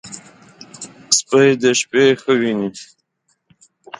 سپي د شپې ښه ویني.